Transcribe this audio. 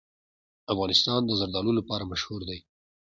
افغانستان د زردالو لپاره مشهور دی.